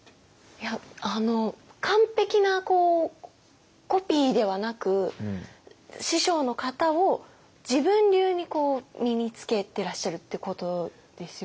いやっあの完璧なコピーではなく師匠の型を自分流にこう身につけてらっしゃるってことですよね。